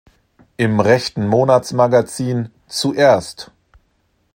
Im rechten Monatsmagazin Zuerst!